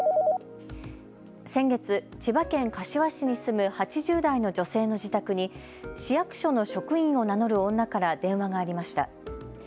先月、千葉県柏市に住む８０代の女性の自宅に市役所の職員を名乗る女から電話がありました。